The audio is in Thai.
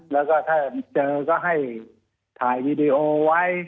แล้วก็ถ้าเจอก็ให้ถ่ายวีดีโอไว้